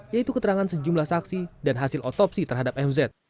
yaitu keterangan sejumlah saksi dan hasil otopsi terhadap mz